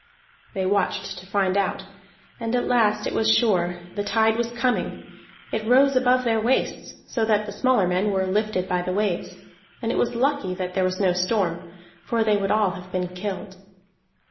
They watched to find out, and at last it was sure: the tide was coming. It rose above their waists, so that the smaller men were lifted by the waves; and it was lucky that there was no storm, for they would all have been killed.